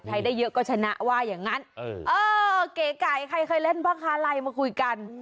ใครได้เยอะก็ชนะว่าอย่างงั้นเออเก๋ไก่ใครเคยเล่นภาคาไรมาคุยกัน